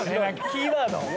キーワード